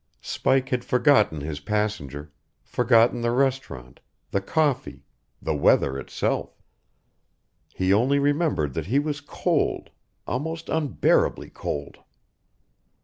Spike had forgotten his passenger, forgotten the restaurant, the coffee, the weather itself. He only remembered that he was cold almost unbearably cold.